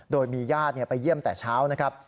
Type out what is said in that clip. โดยมีญาติไปเยี่ยมแต่เช้านะครับ